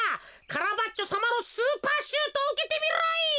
カラバッチョさまのスーパーシュートをうけてみろ！